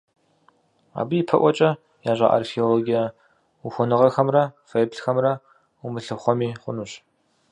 Абы ипэӀуэкӀэ ящӀа археологие ухуэныгъэхэмрэ фэеплъхэмрэ умылъыхъуэми хъунущ.